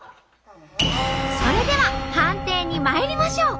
それでは判定にまいりましょう！